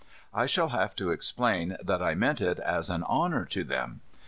I shall have to explain that I meant it as an honour to them.